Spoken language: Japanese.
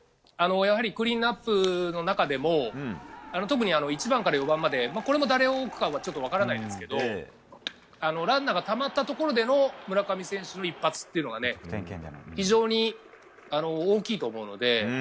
やはりクリーンアップの中でも特に１番から４番までこれも誰を置くか分からないですけどランナーがたまったところでの村上選手の一発が非常に大きいと思うので。